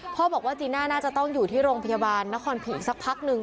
พ่อบอกว่าจีน่าน่าจะต้องอยู่ที่โรงพยาบาลนครผิงสักพักนึง